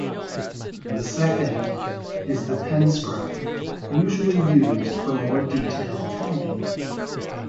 The second is the pen scribe, usually used for more detailed tagging.